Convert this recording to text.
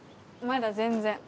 まだ全然。